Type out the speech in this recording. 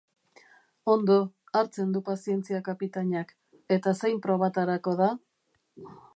Ondo, hartzen du pazientzia kapitainak, eta zein probatarako da?